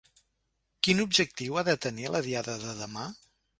Quin objectiu ha de tenir la Diada de demà?